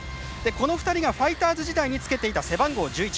この２人がファイターズ時代につけていた背番号１１